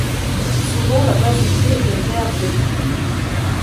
Souvent la base du pied est vert bleu.